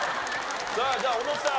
さあじゃあ小野さん